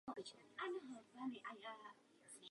Musíme jít kupředu a dívat se kupředu.